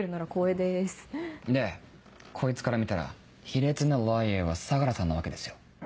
でこいつから見たら「卑劣なＬｉａｒ」は相良さんなわけですよ。